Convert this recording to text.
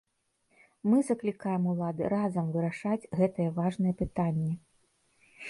Мы заклікаем улады разам вырашаць гэтае важнае пытанне.